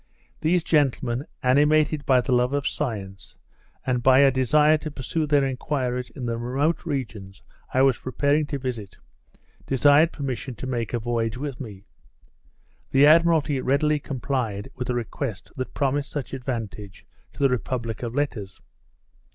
These gentlemen, animated by the love of science, and by a desire to pursue their enquiries in the remote regions I was preparing to visit, desired permission to make a voyage with me. The Admiralty readily complied with a request that promised such advantage to the republic of letters.